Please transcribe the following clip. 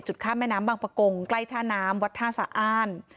ข้ามแม่น้ำบางประกงใกล้ท่าน้ำวัดท่าสะอ้าน